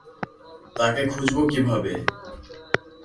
তাকে খুঁজবো কিভাবে?